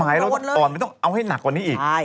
ไม่ต้องเอาให้หนักกว่านี้อีก